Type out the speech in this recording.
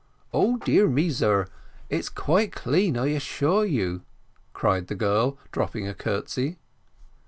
"Oh! dear me, sir, it's quite clean, I assure you," cried the girl, dropping a curtsey.